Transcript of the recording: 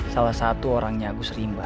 salah satu orang nyagu serimba